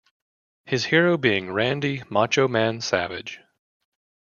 His hero being Randy "Macho Man" Savage.